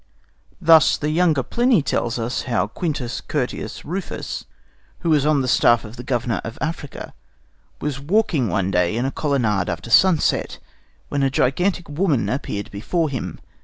Thus the younger Pliny tells us how Quintus Curtius Rufus, who was on the staff of the Governor of Africa, was walking one day in a colonnade after sunset, when a gigantic woman appeared before him.